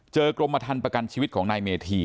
กรมทันประกันชีวิตของนายเมธี